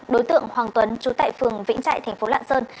đối tượng hoàng tuấn trú tại phường vĩnh trại tp lạng sơn